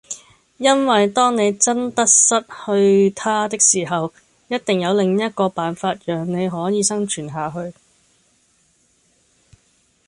因為當你真得失去它的時候，一定有另一個辦法讓你可以生存下去